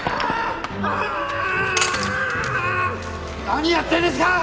何やってんですか！